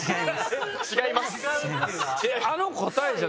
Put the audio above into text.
違います。